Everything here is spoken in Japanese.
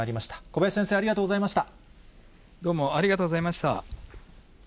小林先生、ありがとうございました。